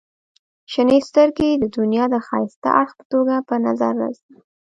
• شنې سترګې د دنیا د ښایسته اړخ په توګه په نظر راځي.